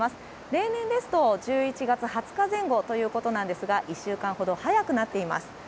例年ですと１１月２０日前後ということなんですが１週間ほど早くなっています。